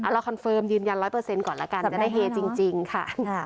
คอนเฟิร์มยืนยัน๑๐๐ก่อนแล้วกันจะได้เฮจริงค่ะ